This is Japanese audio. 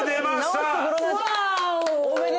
おめでとう！